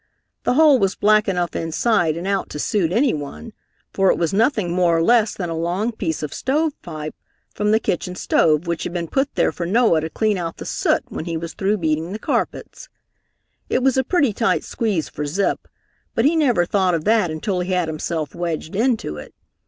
The hole was black enough inside and out to suit anyone, for it was nothing more or less than a long piece of stovepipe from the kitchen stove which had been put there for Noah to clean out the soot when he was through beating the carpets. It was a pretty tight squeeze for Zip, but he never thought of that until he had himself wedged into it.